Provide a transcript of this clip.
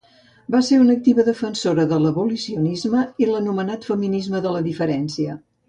Va ser una activa defensora de l'abolicionisme i l'anomenat feminisme de la diferència.